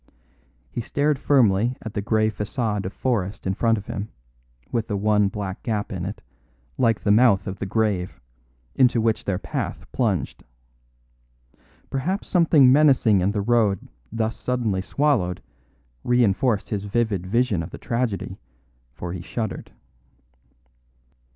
He stared firmly at the grey façade of forest in front of him, with the one black gap in it, like the mouth of the grave, into which their path plunged. Perhaps something menacing in the road thus suddenly swallowed reinforced his vivid vision of the tragedy, for he shuddered.